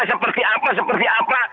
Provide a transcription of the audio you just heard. seperti apa seperti apa